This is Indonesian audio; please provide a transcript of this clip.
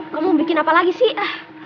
kamu bikin apa lagi sih ah